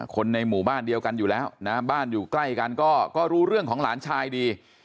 คนในหมู่บ้านเดียวกันอยู่แล้วนะบ้านอยู่ใกล้กันก็รู้เรื่องของหลานชายดี